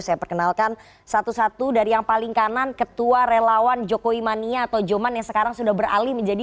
saya perkenalkan satu satu dari yang paling kanan ketua relawan jokowi mania atau joman yang sekarang sudah beralih menjadi